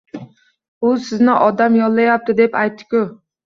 U sizni odam yollayapti, deb aytdi-ku